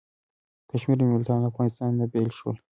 کشمیر او ملتان له افغانستان نه بیل شول.